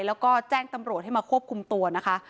แล้วก็แจ้งตำรวจให้มาควบคุมตัวนะคะ